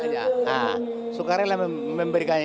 nah suka rela memberikannya